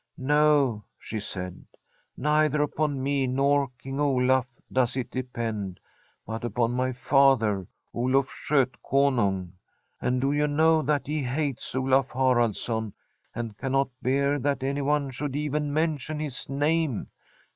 * No,' she said, * neither upon me nor King Olaf does it depend, but upon my father, Oluf Skotkonung, and you know that he hates Olaf Haraldsson, and cannot bear that anyone should even mention his name.